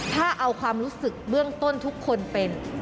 ถ้าเอาความรู้สึกเบื้องต้นทุกคนเป็น